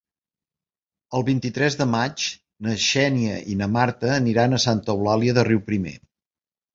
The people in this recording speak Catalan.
El vint-i-tres de maig na Xènia i na Marta aniran a Santa Eulàlia de Riuprimer.